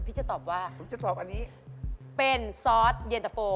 ผมจะตอบอันนี้เป็นซอสเย็นตะโป้